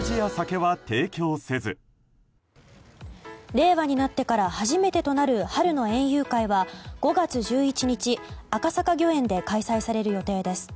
令和になってから初めてとなる春の園遊会は５月１１日赤坂御苑で開催される予定です。